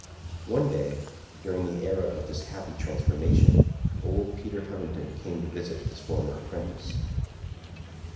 One day, during the era of this happy transformation, old Peter Hovenden came to visit his former apprentice.